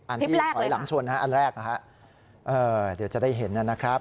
อันที่ถอยหลังชนอันแรกนะฮะเดี๋ยวจะได้เห็นนะครับ